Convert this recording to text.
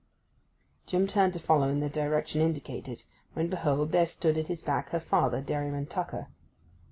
Jim turned to follow in the direction indicated, when, behold, there stood at his back her father, Dairyman Tucker.